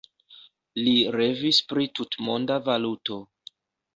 Li revis pri tutmonda valuto.